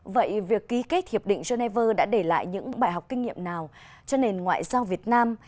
vậy việc ký kết hiệp định geneva đã để lại những bài học kinh nghiệm nào cho nền ngoại giao việt nam